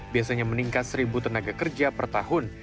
biasanya meningkat seribu tenaga kerja per tahun